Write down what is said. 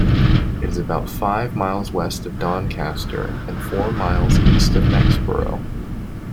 It is about five miles west of Doncaster, and four miles east of Mexborough.